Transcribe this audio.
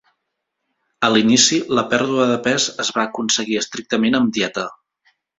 A l'inici, la pèrdua de pes es va aconseguir estrictament amb dieta.